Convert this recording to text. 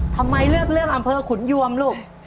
ทำไมเลือกเรื่องอำเภอขุนยวมลูก